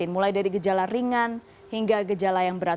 mulai dari gejala ringan hingga gejala yang berat